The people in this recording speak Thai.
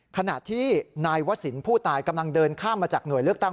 ขณะที่นายวศิลป์ผู้ตายกำลังเดินข้ามมาจากหน่วยเลือกตั้ง